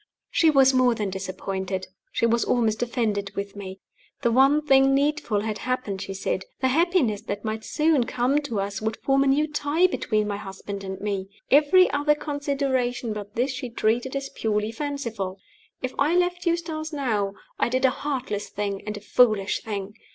She was more than disappointed she was almost offended with me. The one thing needful had happened, she said. The happiness that might soon come to us would form a new tie between my husband and me. Every other consideration but this she treated as purely fanciful. If I left Eustace now, I did a heartless thing and a foolish thing.